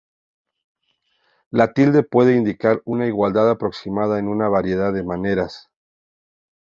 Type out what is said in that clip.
La tilde puede indicar una igualdad aproximada en una variedad de maneras.